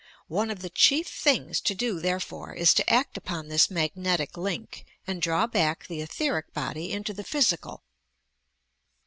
One of the chief things to do, therefore, is to act upon this magnetic link, and draw back the etherie body into the physical.